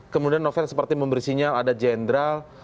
kemudian novel seperti memberi sinyal ada jenderal